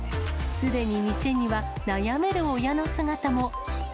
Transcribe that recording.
すでに店には、悩める親の姿も。